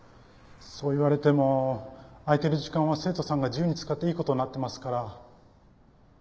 そう言われても空いてる時間は生徒さんが自由に使っていい事になってますから。